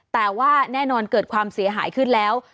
แต่ว่าแน่นอนเกิดความเสียหายขึ้นแล้ว